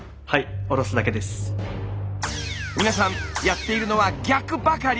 皆さんやっているのは逆ばかり。